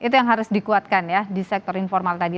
itu yang harus dikuatkan ya di sektor informal tadi